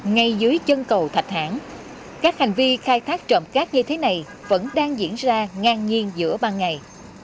ngay dưới chân cầu thạch hãn các hành vi khai thác trộm cát như thế này vẫn đang diễn ra ngang nhiên giữa ban ngày